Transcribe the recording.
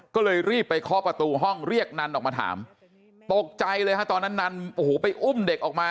ก็เลยรีบไปเคาะประตูห้องเรียกนันออกมาถามตกใจเลยฮะตอนนั้นนันโอ้โหไปอุ้มเด็กออกมา